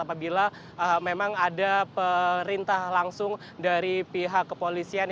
apabila memang ada perintah langsung dari pihak kepolisian